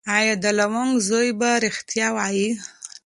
ایا د لونګ زوی به ریښتیا وایي؟